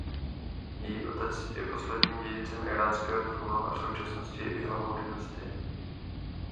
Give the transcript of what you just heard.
Její otec je posledním dědicem íránského trůnu a v současnosti je i hlavou dynastie.